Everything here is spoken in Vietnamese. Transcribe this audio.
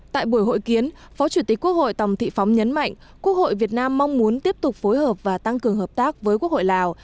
tại buổi hội kiến phó chủ tịch quốc hội tòng thị phóng nhấn mạnh quốc hội việt nam mong muốn tiếp tục phối hợp và tăng cường hợp tác với quốc hội lào